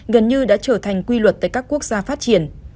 gần như đã trở thành quy luật tại các quốc gia phát triển